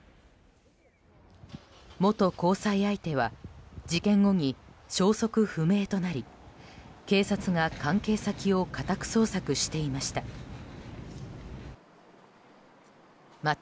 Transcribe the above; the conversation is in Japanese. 元交際相手は事件後に消息不明となり警察が関係先を家宅捜索していました。